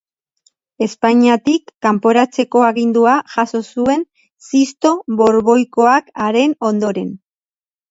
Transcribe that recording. Espainiatik kanporatzeko agindua jaso zuen Sixto Borboikoak haren ondoren.